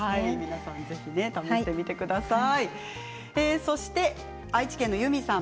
ぜひ試してみてください。